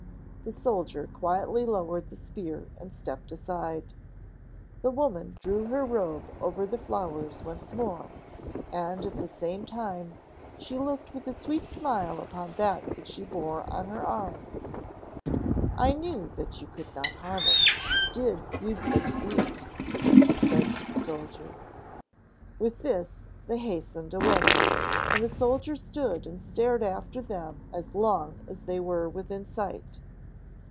The soldier quietly lowered the spear and stepped aside. The woman drew her robe over the flowers once more, and at the same time she looked with a sweet smile upon that which she bore on her arm. "I knew that you could not harm it, did you but see it," she said to the soldier. With this, they hastened away; and the soldier stood and stared after them as long as they were within sight.